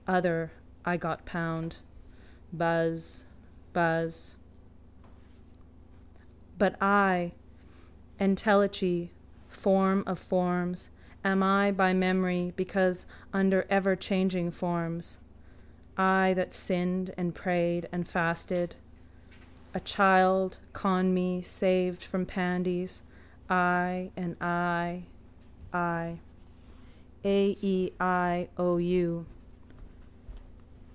Other I got pound. Buzz. Buzz. But I, entelechy, form of forms, am I by memory because under everchanging forms. I that sinned and prayed and fasted. A child Conmee saved from pandies. I, I and I. I. A.E.I.O.U.